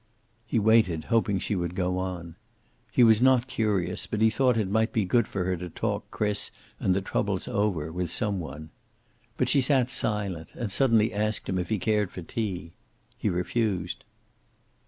He waited, hoping she would go on. He was not curious, but he thought it might be good for her to talk Chris and the trouble over with some one. But she sat silent, and suddenly asked him if he cared for tea. He refused.